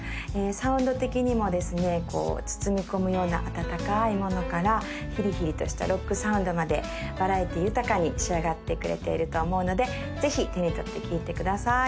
サウンド的にもですねこう包み込むような温かいものからヒリヒリとしたロックサウンドまでバラエティー豊かに仕上がってくれていると思うのでぜひ手に取って聴いてください